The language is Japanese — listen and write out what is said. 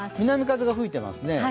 南風が吹いていますね。